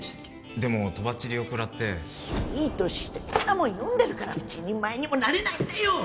でもとばっちりを食らっていい年してこんなもん読んでるから一人前にもなれないんだよっ